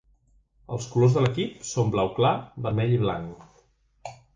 Els colors de l'equip són blau clar, vermell i blanc.